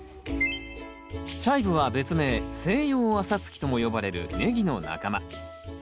チャイブは別名「セイヨウアサツキ」とも呼ばれるネギの仲間。